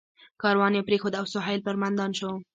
کاروان یې پرېښود او سهیل پر میدان شو.